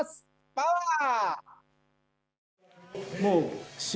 パワー！